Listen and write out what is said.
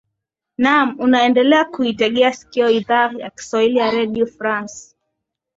naam unaendelea kuitegea sikio idhaa ya kiswahili ya redio france